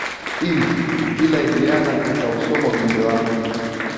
i bila hiyana tutausoma ujumbe wako